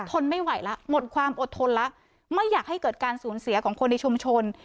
ทนไม่ไหวแล้วหมดความอดทนแล้วไม่อยากให้เกิดการสูญเสียของคนในชุมชน